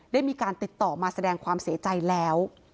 ได้มีการติดต่อมาแสดงความเสียใจแล้ว